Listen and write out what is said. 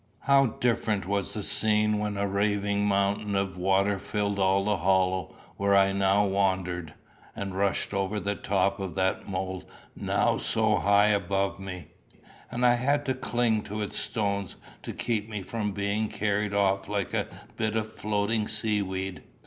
How different was the scene when a raving mountain of water filled all the hollow where I now wandered, and rushed over the top of that mole now so high above me; and I had to cling to its stones to keep me from being carried off like a bit of floating sea weed!